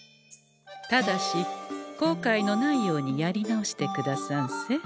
ただしこうかいのないようにやり直してくださんせ。